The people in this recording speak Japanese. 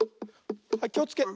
はいきをつけ。